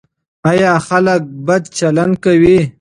ایا خلک بد چلند کوي؟